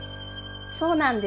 そうなんです。